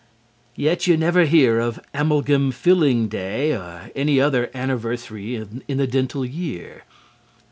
Yet you never hear of Amalgam Filling Day, or any other anniversary in the dental year).